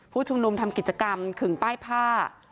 ผู้ชุมนุมทำกิจกรรมขึงป้ายผ้า